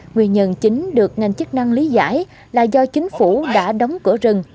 nguyên nhân chính được ngành chức năng lý giải là do chính phủ đã đóng cửa rừng